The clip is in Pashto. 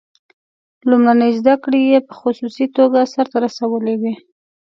لومړنۍ زده کړې یې په خصوصي توګه سرته رسولې وې.